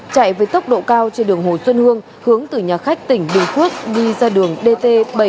chạy với tốc độ cao trên đường hồ xuân hương hướng từ nhà khách tỉnh bình phước đi ra đường dt bảy trăm bốn mươi